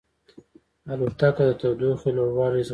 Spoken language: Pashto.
الوتکه د تودوخې لوړوالی زغمي.